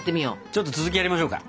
ちょっと続きやりましょうか。